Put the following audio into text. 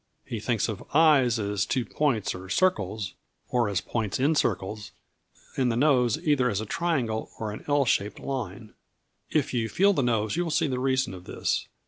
He thinks of eyes as two points or circles, or as points in circles, and the nose either as a triangle or an L shaped line. If you feel the nose you will see the reason of this.